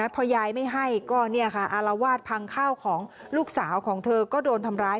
พอยายไม่ให้ก็อารวาสพังข้าวของลูกสาวของเธอก็โดนทำร้าย